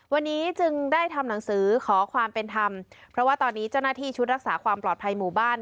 วันนี้จึงได้ทำหนังสือขอความเป็นธรรมเพราะว่าตอนนี้เจ้าหน้าที่ชุดรักษาความปลอดภัยหมู่บ้าน